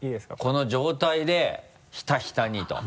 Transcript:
この状態でひたひたにと。